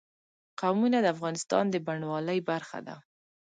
قومونه د افغانستان د بڼوالۍ برخه ده.